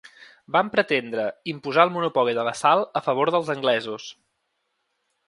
Van pretendre imposar el monopoli de la sal a favor dels anglesos.